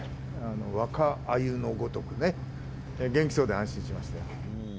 若アユのごとくね、元気そうで安心しました。